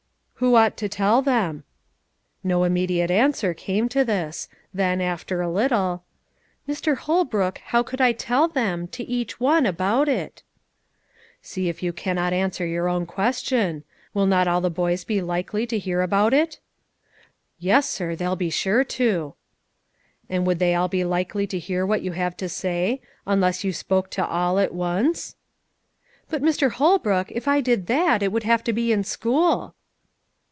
"Who ought to tell them?" No immediate answer came to this; then, after a little, "Mr. Holbrook, how could I tell them to each one about it?" "See if you cannot answer your own question. Will not all the boys be likely to hear about it?" "Yes, sir; they'll be sure to." "And would they all be likely to hear what you have to say, unless you spoke to all at once?" "But, Mr. Holbrook, if I did that, it would have to be in school."